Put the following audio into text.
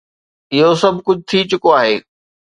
اهو سڀ ڪجهه ٿي چڪو آهي.